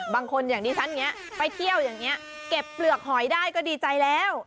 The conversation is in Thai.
บางคนอย่างงี้ฉันเนี่ยไปเที่ยวไปเตียบเปลือกหอยได้ก็ดีใจแล้ว